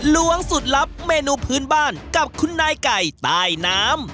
ล้วงสูตรลับเมนูพื้นบ้านกับคุณนายไก่ใต้น้ำ